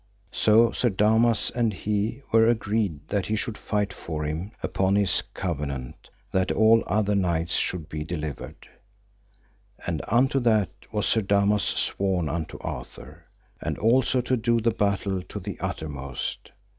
So Sir Damas and he were agreed that he should fight for him upon this covenant, that all other knights should be delivered; and unto that was Sir Damas sworn unto Arthur, and also to do the battle to the uttermost.